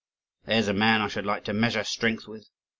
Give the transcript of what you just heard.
"There's a man I should like to measure strength with!"